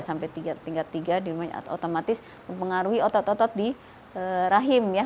sampai tingkat tiga di rumah otomatis mengaruhi otot otot di rahim ya